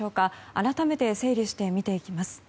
改めて整理して見ていきます。